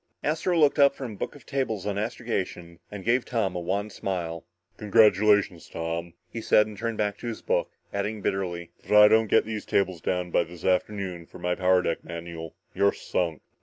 Astro looked up from a book of tables on astrogation and gave Tom a wan smile. "Congratulations, Tom," he said, and turned back to his book, adding bitterly, "but if I don't get these tables down by this afternoon for my power deck manual, you're sunk."